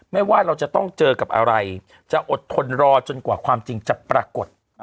ไม่ว่าเราจะต้องเจอกับอะไรจะอดทนรอจนกว่าความจริงจะปรากฏ